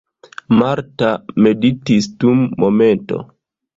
Marta meditis dum momento.